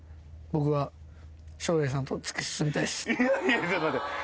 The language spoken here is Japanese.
いやいやちょっと待って。